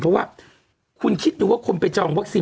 เพราะว่าคุณคิดดูว่าคนไปจองวัคซีน